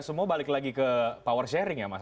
semua balik lagi ke power sharing ya mas